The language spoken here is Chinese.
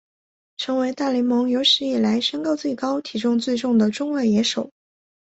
成为大联盟有史以来身高最高和体重最重的中外野手。